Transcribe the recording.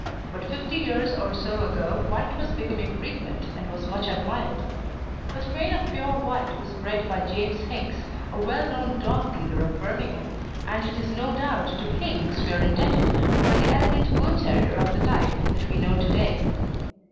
But fifty years or so ago white was becoming frequent, and was much admired. A strain of pure white was bred by James Hinks, a well known dog dealer of Birmingham, and it is no doubt to Hinks that we are indebted for the elegant Bull terrier of the type that we know to day.